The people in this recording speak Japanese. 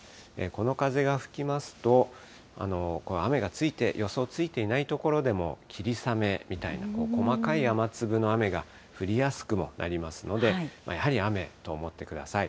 この風が吹きますと、雨が予想ついていない所でも、霧雨みたいな細かい雨粒の雨が降りやすくもなりますので、やはり雨と思ってください。